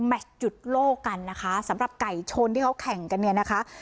จุดโลกกันนะคะสำหรับไก่ชนที่เขาแข่งกันเนี่ยนะคะ